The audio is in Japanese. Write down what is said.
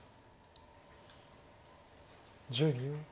１０秒。